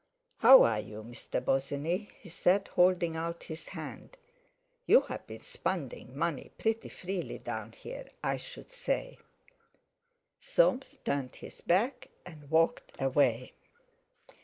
"How are you, Mr. Bosinney?" he said, holding out his hand. "You've been spending money pretty freely down here, I should say!" Soames turned his back, and walked away.